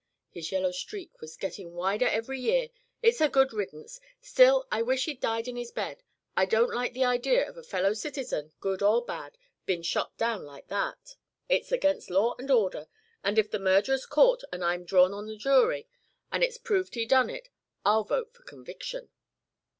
His yellow streak was gettin' wider every year. It's good riddance. Still I wish he'd died in his bed. I don't like the idea of a fellow citizen, good or bad, bein' shot down like that. It's against law and order, and if the murderer's caught and I'm drawn on the jury, and it's proved he done it, I'll vote for conviction."